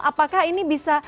apakah ini bisa